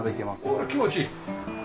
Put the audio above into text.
おお気持ちいい。